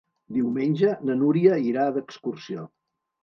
Diumenge na Núria irà d'excursió.